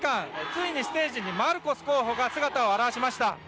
ついにステージにマルコス候補が姿を現しました。